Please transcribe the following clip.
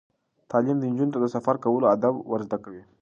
تعلیم نجونو ته د سفر کولو آداب ور زده کوي.